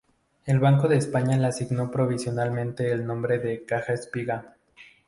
El Banco de España le asignó provisionalmente el nombre de Caja Espiga.